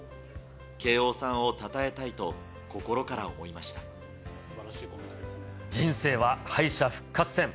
慶応さんをたたえたいと心から思人生は敗者復活戦。